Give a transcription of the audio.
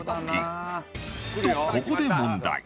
ここで問題